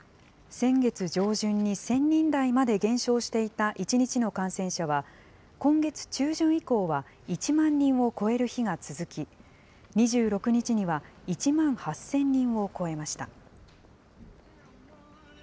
先月上旬に１０００人台まで減少していた１日の感染者は、今月中旬以降は１万人を超える日が続き、２６日には、１万８０００人を超えました。